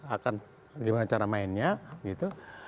akan gimana cara mainnya gitu